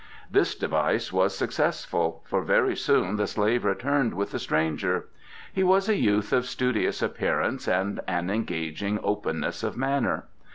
This device was successful, for very soon the slave returned with the stranger. He was a youth of studious appearance and an engaging openness of manner.